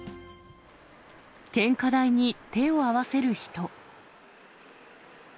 献花台に手を合わせる人。